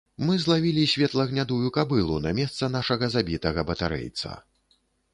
Мы злавілі светла-гнядую кабылу на месца нашага забітага батарэйца.